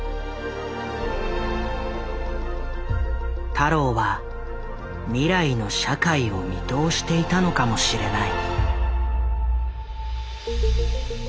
太郎は未来の社会を見通していたのかもしれない。